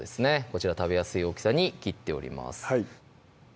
こちら食べやすい大きさに切っております